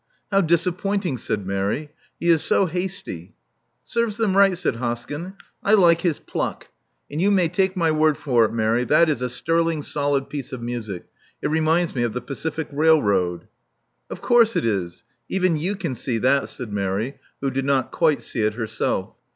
'*How disappointing!" said Mary. He is so hasty." "Serves them right," said Hoskjm. I like his pluck; and you make take my word for it, Mary, that is a sterling solid piece of music. It reminds me of the Pacific railroad." "Of course it is. Even you can see that," said Mary, who did not quite see it herself.